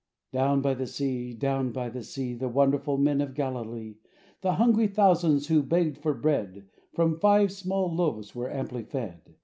Down by the sea, down by the sea — The wonderful sea of Galilee — The hungry thousands who begged for bread, From five small loaves were amply fed.